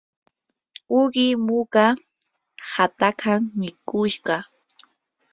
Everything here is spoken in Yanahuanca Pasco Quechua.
uqi muka hakatam mikushqa.